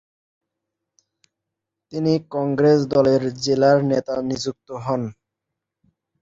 তিনি কংগ্রেস দলের জেলার নেতা নিযুক্ত হন।